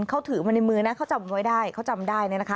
เขาถือมาในมือจำได้